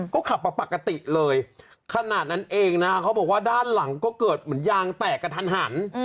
ก็ขับมาปกติเลยขนาดนั้นเองนะเขาบอกว่าด้านหลังก็เกิดเหมือนยางแตกกระทันหัน